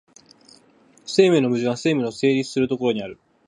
生命の矛盾は生命の成立する所にある。